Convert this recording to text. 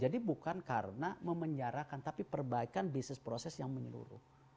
jadi bukan karena memenjarakan tapi perbaikan bisnis proses yang menurut